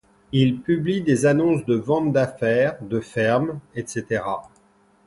Il publie des annonces de ventes d'affaires, de fermes, etc.